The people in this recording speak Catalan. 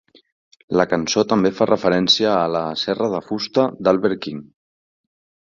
La cançó també fa referència a la "Serra de fusta" d'Albert King.